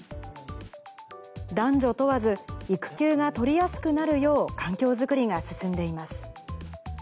男女問わず、育休が取りやすくなるよう環境作りが進んでいます。